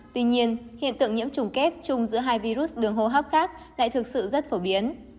tuy nhiên hiện tượng nhiễm trùng kép chung giữa hai virus đường hô hấp khác lại thực sự rất phổ biến